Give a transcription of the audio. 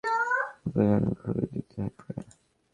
শত্রুর কাছে সে নিজে চলে যাওয়ায় মক্কার জনগণ খুবই উদ্বিগ্ন হয়ে পড়ে।